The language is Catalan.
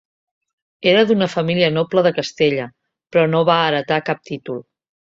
Era d'una família noble de Castella, però no va heretar cap títol.